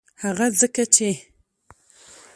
هغه ځکه چې